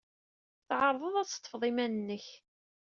Tɛerḍed ad teḍḍfed iman-nnek.